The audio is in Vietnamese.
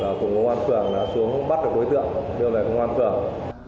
sau khi đó công an phường đã bắt được đối tượng